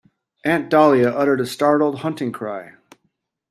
Aunt Dahlia uttered a startled hunting cry.